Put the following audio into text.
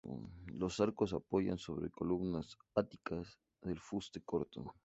Los arcos apoyan sobre columnas áticas de fuste corto.